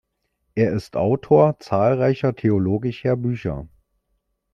Er ist Autor zahlreicher theologischer Bücher.